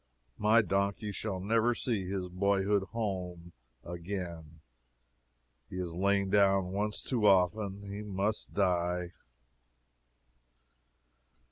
My donkey shall never see his boyhood's home again. He has lain down once too often. He must die.